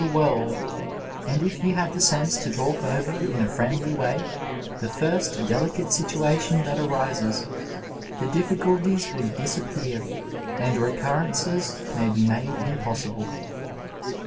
the world, and if you have the sense to talk over, in a friendly way, the first delicate situation that arises, the difficulties will disappear and recurrences may be made impossible.